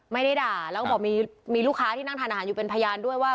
ไม่ได้ด่าแล้วก็บอกมีลูกค้าที่นั่งทานอาหารอยู่เป็นพยานด้วยว่า